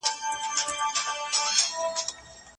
پوهان وایي چي د لارښود او شاګرد مزاج باید ورته وي.